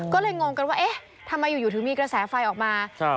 ก็เลยงงกันว่าเอ๊ะทำไมอยู่อยู่ถึงมีกระแสไฟออกมา